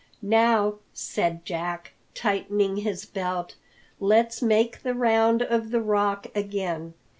"Now," said Jack, tightening his belt, "let's make the round of the Rock again.